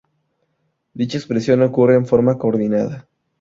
Dicha expresión ocurre en forma coordinada.